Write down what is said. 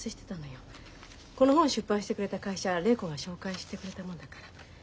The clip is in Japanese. この本を出版してくれた会社礼子が紹介してくれたもんだから。